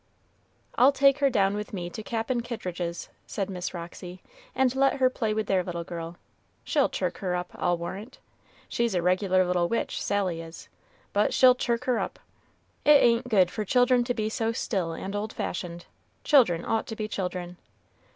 "I'll take her down with me to Cap'n Kittridge's," said Miss Roxy, "and let her play with their little girl; she'll chirk her up, I'll warrant. She's a regular little witch, Sally is, but she'll chirk her up. It ain't good for children to be so still and old fashioned; children ought to be children.